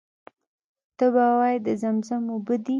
ته به وایې د زمزم اوبه دي.